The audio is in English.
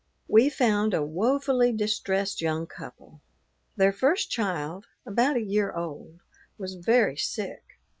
We found a woefully distressed young couple. Their first child, about a year old, was very sick.